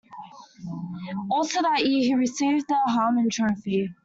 Also that year, he received the Harmon Trophy.